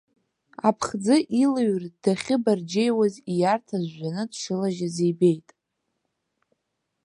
Аԥхӡы илыҩр, дахьыбарџьеиуаз ииарҭа жәжәаны дшылажьыз ибеит.